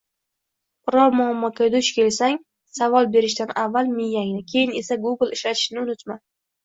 Biror muammoga duch kelsang, savol berishdan avval miyangni keyin esa Google ishlatishni unutma